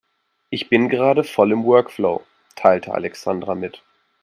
"Ich bin gerade voll im Workflow", teilte Alexandra mit.